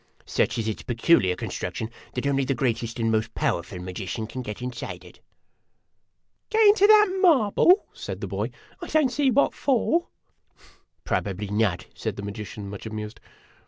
Such is its peculiar construction that only the greatest and most powerful magician can get inside of it." " Get into that marble !" said the boy. " I don't see what for." " Probably not," said the magician, much amused.